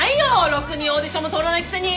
ろくにオーディションも通らないくせに！